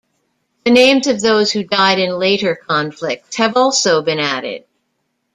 The names of those who died in later conflicts have also been added.